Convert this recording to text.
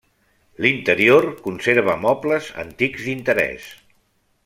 L'interior conserva mobles antics d'interès.